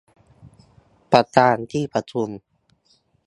ประธานที่ประชุม